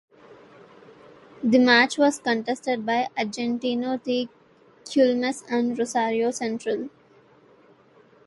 The match was contested by Argentino de Quilmes and Rosario Central.